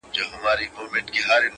که غیرت دی او که توره ده د ټولو مشترکه